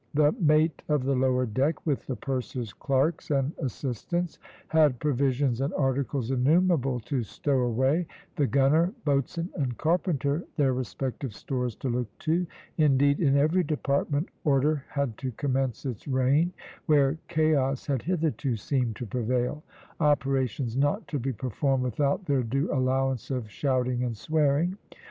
The mate of the lower deck, with the purser's clerks and assistants, had provisions and articles innumerable to stow away; the gunner, boatswain, and carpenter, their respective stores to look to; indeed, in every department order had to commence its reign, where chaos had hitherto seemed to prevail, operations not to be performed without their due allowance of shouting and swearing.